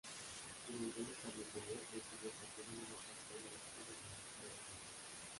Durante una carnicería consigue coger a una mujer terrorista, llamada Claire Manning.